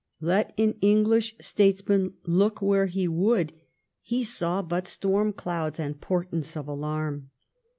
Let an English statesman look where he would, he saw but storm clouds and portents of alarm.